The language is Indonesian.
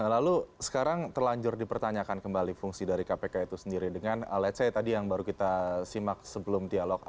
lalu sekarang terlanjur dipertanyakan kembali fungsi dari kpk itu sendiri dengan ⁇ lets ⁇ say tadi yang baru kita simak sebelum dialog